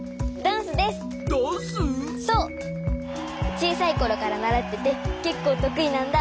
ちいさいころからならっててけっこうとくいなんだ！